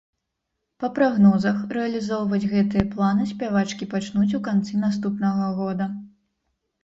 Па прагнозах, рэалізоўваць гэтыя планы спявачкі пачнуць у канцы наступнага года.